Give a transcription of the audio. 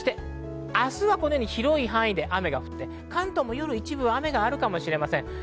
明日は広い範囲で雨が降って関東も夜、一部雨があるかもしれません。